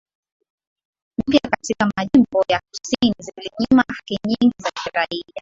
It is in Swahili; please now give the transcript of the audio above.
mpya katika majimbo ya kusini zilinyima haki nyingi za kiraia